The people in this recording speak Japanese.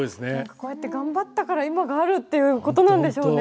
こうやって頑張ったから今があるっていうことなんでしょうね。